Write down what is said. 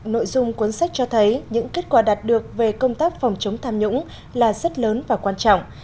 nội dung cuốn sách cho thấy những kết quả đạt được về công tác phòng chống tham nhũng là rất lớn và quan trọng